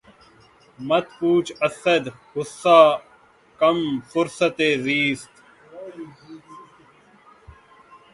مت پوچھ اسد! غصۂ کم فرصتیِ زیست